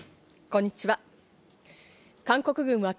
こんにちは。